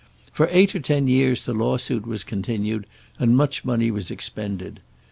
For eight or ten years the lawsuit was continued, and much money was expended.